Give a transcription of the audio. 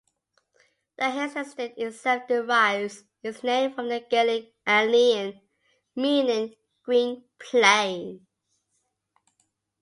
The Hailes estate itself derives its name from the Gaelic "ailean" meaning "green plain".